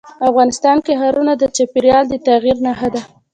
افغانستان کې ښارونه د چاپېریال د تغیر نښه ده.